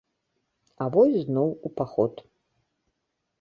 А вось зноў у паход.